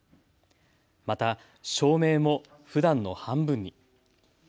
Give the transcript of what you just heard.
また、照明もふだんの半分に。